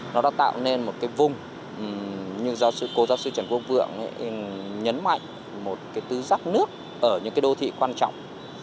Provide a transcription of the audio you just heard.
nó đã tạo nên một cái vùng như giáo sư cô giáo sư trần quốc vượng nhấn mạnh một cái tứ giác nước ở những cái đô thị quan trọng